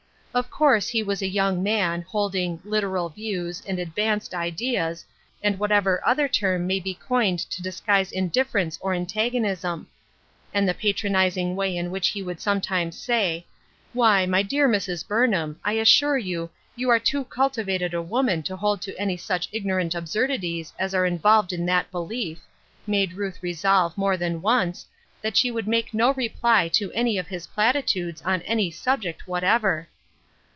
Of course he was a young man, holding " literal views," and "advanced ideas," and whatever other term may be coined to dis guise indifference or antagonism. And the patro nizing way in which he would sometimes say, " Why, my dear Mrs. Burnham, I assure you, you are too cultivated a woman to hold to any such ignorant absurdities as are involved in that belief," THE WISDOM OF THIS WORLD. 1 59 made Ruth resolve, more than once, that she would make no reply to any of his platitudes, on any subject whatever.